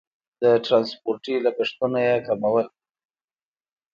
د ټرانسپورتي لګښتونه یې کمول.